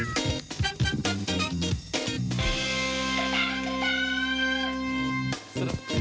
สวัสดีค่ะ